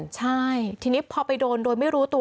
ใช่ทีนี้พอไปโดนโดยไม่รู้ตัว